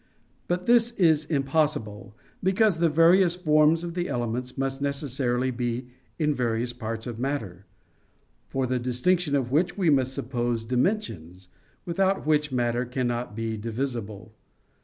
But this is impossible, because the various forms of the elements must necessarily be in various parts of matter; for the distinction of which we must suppose dimensions, without which matter cannot be divisible.